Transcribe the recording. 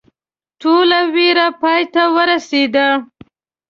ټوله ویره پای ته ورسېده.